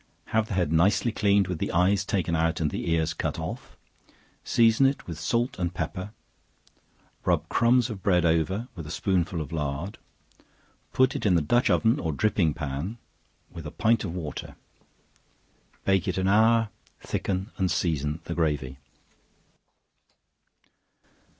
Have the head nicely cleaned, with the eyes taken out, and the ears cut off; season it with salt and pepper; rub crumbs of bread over, with a spoonful of lard; put it in the dutch oven, or dripping pan, with a pint of water; bake it an hour; thicken and season the gravy.